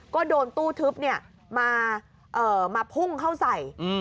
ก็โดนตู้ทึบมาพุ่งเข้าใส่